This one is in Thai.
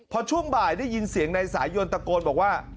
พอช่วงบ่ายได้ยินเสียงนายสายยนตะโกนบอกว่า